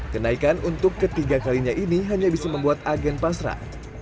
kenaikan untuk ketiga kalinya ini hanya bisa membuat agen pasrah